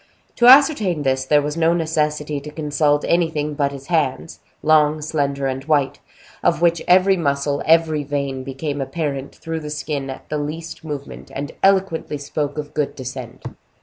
To ascertain this, there was no necessity to consult anything but his hands, long, slender, and white, of which every muscle, every vein, became apparent through the skin at the least movement, and eloquently spoke of good descent.